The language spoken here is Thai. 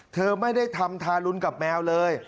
เธอไม่ได้ทำทารุณกับแมวเลย